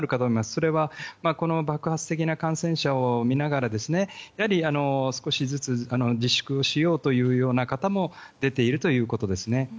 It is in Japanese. それはこの爆発的な感染者を見ながらやはり少しずつ自粛しようという方も出ているということですね。